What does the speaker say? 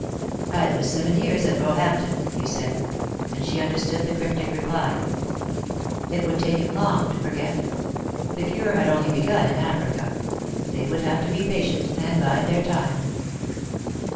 "I was seven years at Roehampton," he said, and she understood the cryptic reply. It would take him long to forget. The cure had only begun in Africa. They would have to be patient, and bide their time.